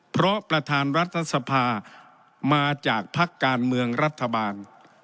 เพราะประธานรัฐสภามาจากภักดิ์การเมืองรัฐบาล